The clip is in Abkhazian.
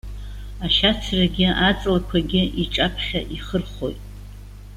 Ашьацрагьы аҵлақәагьы иҿаԥхьа ихырхәоит.